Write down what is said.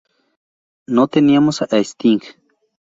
No teníamos a Sting.